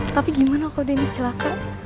tapi gimana kalau denny silahkan